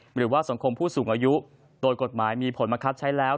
หรือว่าสังคมผู้สูงอายุโดยกฎหมายมีผลบังคับใช้แล้ว